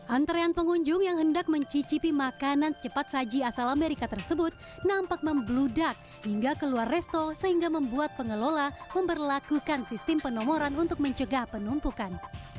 antrean pengunjung yang hendak mencicipi makanan cepat saji asal amerika tersebut nampak membludak hingga keluar resto sehingga membuat pengelola memperlakukan sistem penomoran untuk mencegah penumpukan